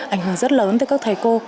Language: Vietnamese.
ảnh hưởng rất lớn tới các thể cô